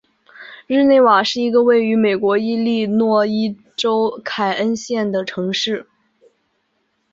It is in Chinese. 日内瓦是一个位于美国伊利诺伊州凯恩县的城市。